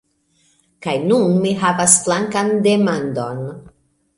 Kaj nun mi havas flankan demandon.